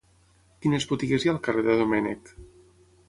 Quines botigues hi ha al carrer de Domènech?